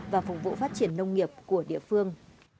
và phục vụ phát triển nông nghiệp của địa phương